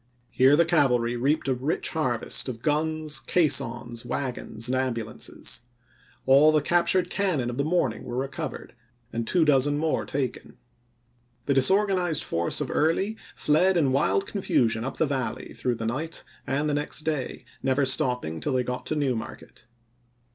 326 ABEAHAM LINCOLN chap, xiv, here the cavalry reaped a rich harvest of gnus, caissons, wagons, and ambulances. All the cap ias*, tured cannon of the morning were recovered, and two dozen more taken. The disorganized force of Early fled in wild confusion up the Valley through the night and the next day, never stopping till they got to New Market.